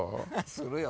「するよ！」